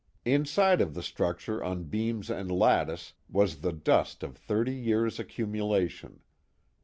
Inside of the structure on beams and lattice was the dust of thirty years' accumulation.